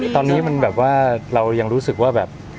ตอนนี้เรายังรู้สึกว่า